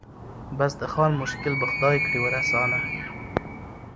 بس د خان مشکل به خدای کړي ور آسانه